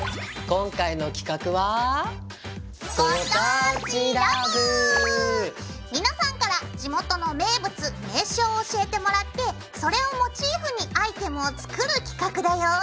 今回の企画は皆さんから地元の名物名所を教えてもらってそれをモチーフにアイテムを作る企画だよ。